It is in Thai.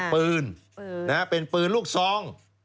ปืนเป็นปืนลูกซอง